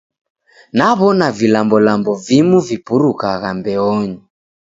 Naw'ona vilambolambo vimu vipurukagha mbeonyi.